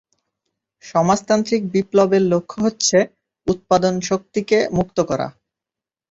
সমাজতান্ত্রিক বিপ্লবের লক্ষ্য হচ্ছে উৎপাদন শক্তিকে মুক্ত করা।